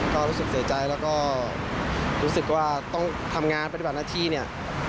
ก็รู้สึกเสียใจแล้วก็รู้สึกว่าต้องทำงานปฏิบัติหน้าที่เนี่ย